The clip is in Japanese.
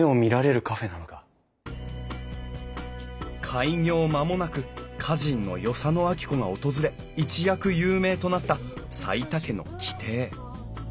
開業間もなく歌人の与謝野晶子が訪れ一躍有名となった齋田家の旗亭。